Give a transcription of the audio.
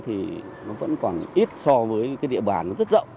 thì nó vẫn còn ít so với cái địa bàn nó rất rộng